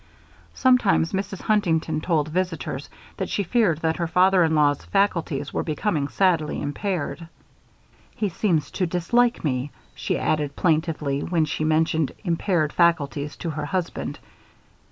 Sometimes Mrs. Huntington told visitors that she feared that her father in law's faculties were becoming sadly impaired. "He seems to dislike me," she added, plaintively, when she mentioned "impaired faculties" to her husband.